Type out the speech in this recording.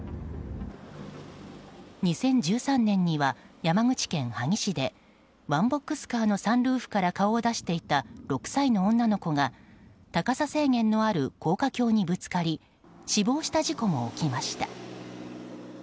２０１３年には、山口県萩市でワンボックスカーのサンルーフから顔を出していた６歳の女の子が高さ制限のある高架橋にぶつかり死亡した事故も起きました。